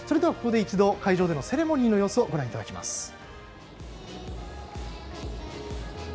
ここで一度会場でのセレモニーの様子をご覧いただきます。